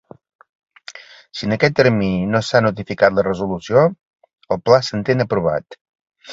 Si en aquest termini no s'ha notificat la resolució, el pla s'entén aprovat.